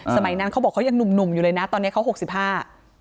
สมัยนั้นเขาบอกยังหนุ่มอยู่เลยนะตอนนี้เขา๖๕